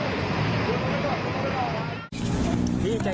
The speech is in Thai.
เยี่ยมมากครับ